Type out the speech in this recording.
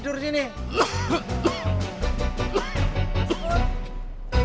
kasih deh dek